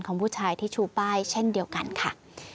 ของผู้ชายที่ชูป้ายเช่นเดียวกันค่ะ